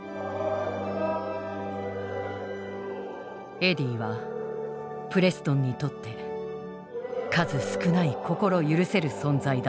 エディはプレストンにとって数少ない心許せる存在だった。